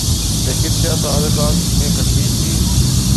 لیکن کیا تعلقات میں کشیدگی